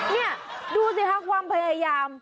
นี่ดูสิค่ะความพยายาม